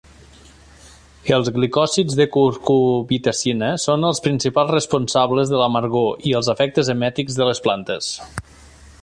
Els glicòsids de cucurbitacina són els principals responsables de l'amargor i els efectes emètics de les plantes.